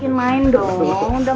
enak enggak enggak enggak